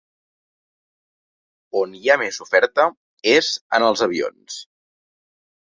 On hi ha més oferta és en els avions.